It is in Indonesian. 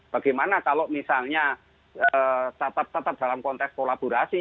bagaimana kalau misalnya tetap dalam konteks kolaborasi